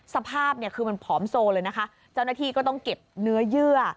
สภาพเนี่ยคือมันผอมโซเลยนะคะเจ้าหน้าที่ก็ต้องเก็บเนื้อเยื่อ